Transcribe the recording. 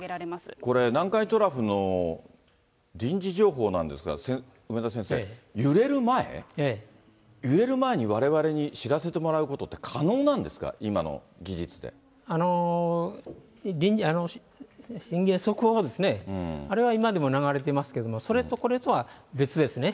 これ、南海トラフの臨時情報なんですが、梅田先生、揺れる前、揺れる前にわれわれに知らせてもらうことって可能なんですか、今速報ですね、あれは今でも流れていますけれども、それとこれとは別ですね。